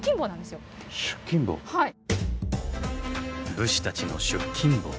武士たちの出勤簿。